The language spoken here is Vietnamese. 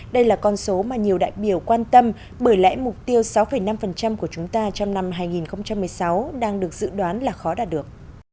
đây là con số mà nhiều đại biểu quan tâm bởi lẽ mục tiêu sáu năm của chúng ta trong năm hai nghìn một mươi sáu đang được dự đoán là khó đạt được